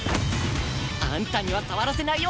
あんたには触らせないよ！